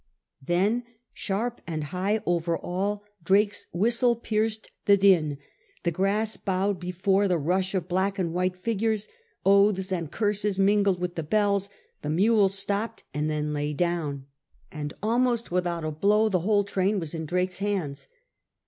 Then sharp and high over all Drake's whistle pierced the din — the grass bowed before the rush of black and white figures — oaths and curses mingled with the bells — the mules stopped and then lay down — and 40 SIR FRANCIS DRAKE chap. almost without a blow the whole train was in Drake's hands.